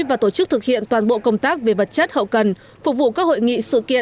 và tổ chức thực hiện toàn bộ công tác về vật chất hậu cần phục vụ các hội nghị sự kiện